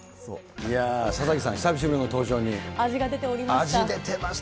いやぁ、佐々木さん、久しぶ味が出ておりました。